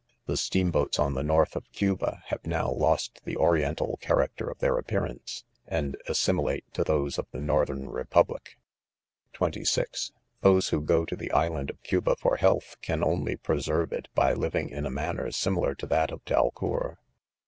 Tlje steamboats on the nailh of Cub (have now lost the oriental character of their appearance, and assimilate to those of the northern republic. (26) Those who go to the island of Cuba for health, ean only preserve it by living in a manner similar to that of. Balcour.